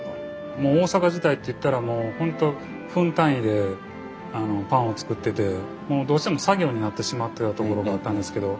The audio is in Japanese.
もう大阪時代といったらもう本当分単位でパンを作っててもうどうしても作業になってしまってたところがあったんですけど。